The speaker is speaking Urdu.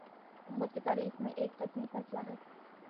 امت کی تاریخ میں ایک عظیم فیصلہ ہے